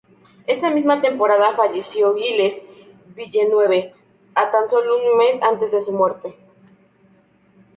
Esa misma temporada falleció Gilles Villeneuve, tan solo un mes antes de su muerte.